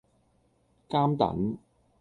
監躉